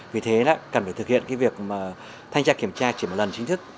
vì thế cần phải thực hiện cái việc mà thanh tra kiểm tra chỉ một lần chính thức